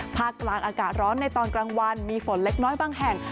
ภาคกลางอากาศร้อนในตอนกลางวันมีฝนเล็กน้อยบางแห่ง